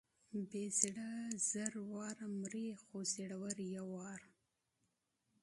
بې زړه زر ځلې مري، خو زړور یو ځل.